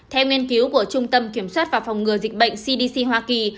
theo nghiên cứu của trung tâm kiểm soát và phòng ngừa dịch bệnh cdc hoa kỳ